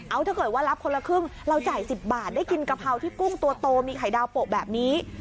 เอาถ้าเกิดว่ารับคนละครึ่งเราจ่าย๑๐บาทได้กินกะเพราที่กุ้งตัวโตมีไข่ดาวโปะแบบนี้